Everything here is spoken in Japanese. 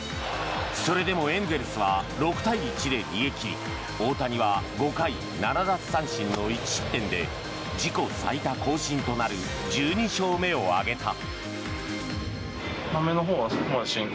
それでもエンゼルスは６対１で逃げ切り大谷は５回７奪三振の１失点で自己最多更新となる１２勝目を挙げた。